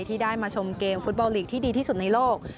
ที่ได้มาชมเกมฟุตบอลลีกที่ดีที่สุดในโลก